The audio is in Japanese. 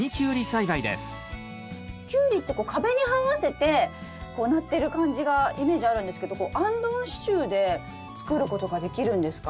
キュウリってこう壁にはわせてなってる感じがイメージあるんですけどあんどん支柱で作ることができるんですか？